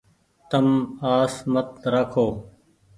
تم آس مت رآکو ۔